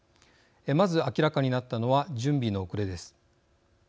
まず明らかになったのは準備の遅れです。